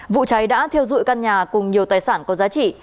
vụ cháy đã thiêu dụi căn nhà cùng nhiều tài sản có giá trị